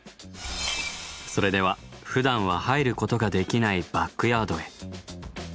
それではふだんは入ることができないバックヤードへ。